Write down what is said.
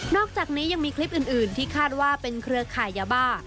อกจากนี้ยังมีคลิปอื่นที่คาดว่าเป็นเครือข่ายยาบ้า